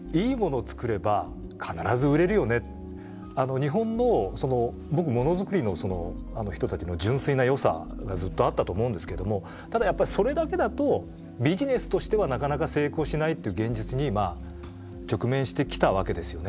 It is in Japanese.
日本のものづくりの人たちの純粋なよさがずっとあったと思うんですけどもただやっぱりそれだけだとビジネスとしてはなかなか成功しないっていう現実に直面してきたわけですよね。